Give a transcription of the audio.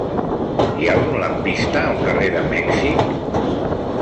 Hi ha algun lampista al carrer de Mèxic?